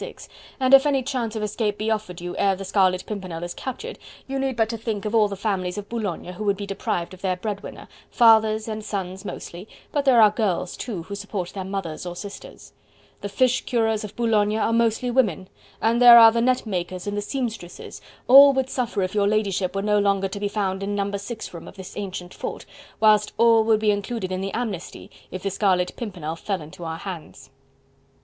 6, and if any chance of escape be offered you ere the Scarlet Pimpernel is captured, you need but to think of all the families of Boulogne, who would be deprived of their breadwinner fathers and sons mostly, but there are girls too, who support their mothers or sisters; the fish curers of Boulogne are mostly women, and there are the net makers and the seamstresses, all would suffer if your ladyship were no longer to be found in No. 6 room of this ancient fort, whilst all would be included in the amnesty if the Scarlet Pimpernel fell into our hands..."